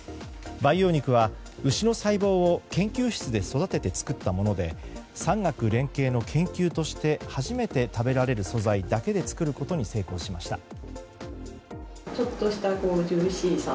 培養肉は牛の細胞を研究室で育てて作ったもので産学連携の研究として初めて食べられる素材だけで作ることに成功しました。